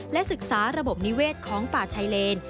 และศึกษาระบบนิเวศของป่าชายเลน